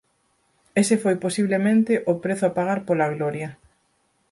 Ese foi posiblemente o prezo a pagar pola gloria.